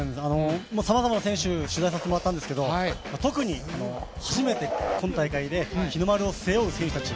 さまざまな選手、取材させてもらったんですけど特に、初めて今大会で日の丸を背負う選手たち。